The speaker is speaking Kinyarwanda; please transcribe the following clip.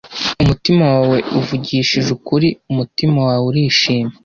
umutima wawe uvugishije ukuri umutima wawe urishima